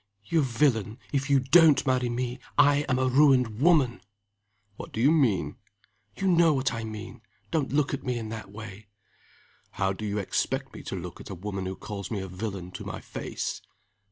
"You villain if you don't marry me, I am a ruined woman!" "What do you mean?" "You know what I mean. Don't look at me in that way." "How do you expect me to look at a woman who calls me a villain to my face?"